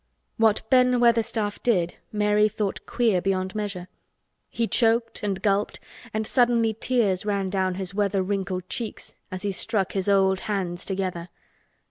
What Ben Weatherstaff did Mary thought queer beyond measure. He choked and gulped and suddenly tears ran down his weather wrinkled cheeks as he struck his old hands together.